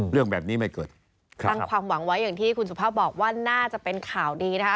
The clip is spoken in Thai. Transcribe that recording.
ตั้งความหวังไว้อย่างที่คุณสุภาบอกว่าน่าจะเป็นข่าวดีนะคะ